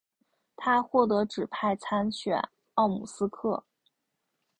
他获得指派参选奥姆斯克。